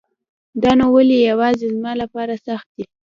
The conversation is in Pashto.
دا نو ولی يواځي زما لپاره سخت دی